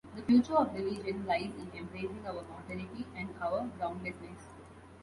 The future of religion lies in embracing our mortality and our groundlessness.